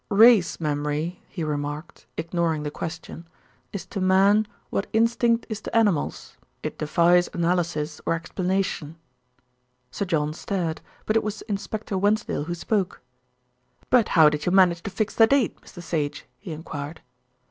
"Race memory," he remarked, ignoring the question, "is to man what instinct is to animals; it defies analysis or explanation." Sir John stared; but it was Inspector Wensdale who spoke. "But how did you manage to fix the date, Mr. Sage?" he enquired.